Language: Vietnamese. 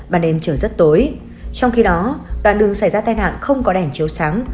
mà đêm trở rất tối trong khi đó đoạn đường xảy ra tai nạn không có đèn chiếu sáng